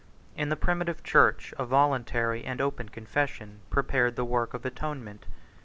In the primitive church, a voluntary and open confession prepared the work of atonement.